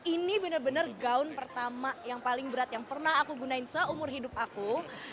ini benar benar gaun pertama yang paling berat yang pernah aku gunain seumur hidup aku